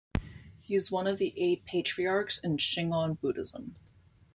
He is one of the eight patriarchs in Shingon Buddhism.